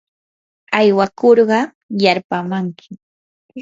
aywakurqa yarpaamankim.